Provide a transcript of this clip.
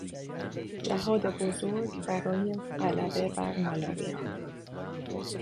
جهاد بزرگ برای غلبه بر مالاریا